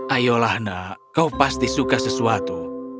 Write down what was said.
ayo anak kau pasti suka sesuatu